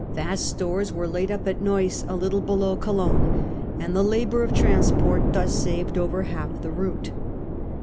Vast stores were laid up at Neuss, a little below Cologne ; and the labour of transport was thus saved over half the route.